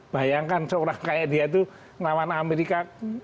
bayangkan seorang kayak dia itu lawan amerika